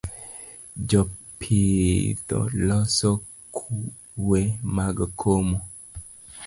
Jopitho loso kweye mag komo